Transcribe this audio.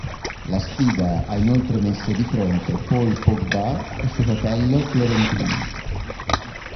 La sfida ha inoltre messo di fronte Paul Pogba e suo fratello Florentin.